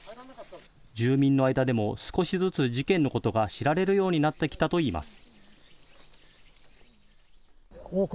住民の間でも少しずつ事件のことが知られるようになってきたといいます。